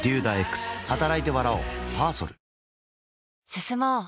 進もう。